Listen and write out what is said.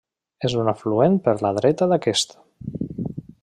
És un afluent per la dreta d'aquest.